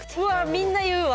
みんな言うわ！